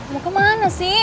mau ke mana sih